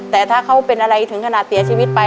แต่ถ้าเขาเป็นอะไรถึงขนาดเสียชีวิตไป